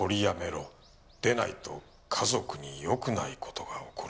「でないと家族によくない事が起こるぞ」